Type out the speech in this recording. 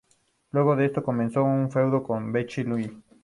Luego de esto comenzó un feudo con Becky Lynch.